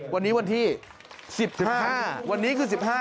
วันนี้วันที่๑๐๕วันนี้คือ๑๕